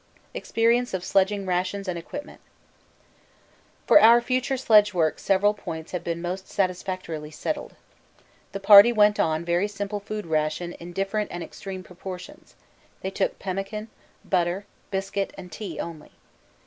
Experience of Sledging Rations and Equipment For our future sledge work several points have been most satisfactorily settled. The party went on a very simple food ration in different and extreme proportions; they took pemmican, butter, biscuit and tea only.